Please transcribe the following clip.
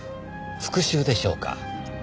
復讐でしょうか。